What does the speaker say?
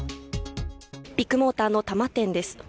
ビッグモーターの多摩店です。